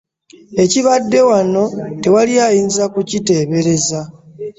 Ekibadde wano tewali ayinza kukiteebereza.